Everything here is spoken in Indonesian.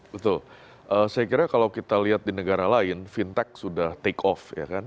betul saya kira kalau kita lihat di negara lain fintech sudah take off ya kan